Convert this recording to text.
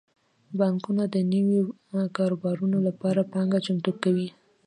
بانکونه د نویو کاروبارونو لپاره پانګه چمتو کوي.